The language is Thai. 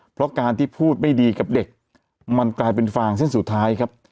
เพราะการที่พูดไม่ดีกับเด็กมันกลายเป็นฟางเส้นสุดท้ายครับ